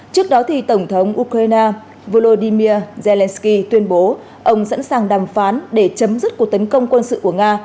trước đó tổng thống ukraine volodymyr zelenskyy tuyên bố ông sẵn sàng đàm phán để chấm dứt cuộc tấn công quân sự của nga